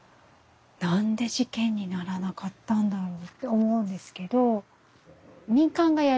何で事件にならなかったんだろうって思うんですけど。